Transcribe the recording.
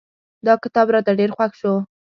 دا کتاب راته ډېر خوښ شو.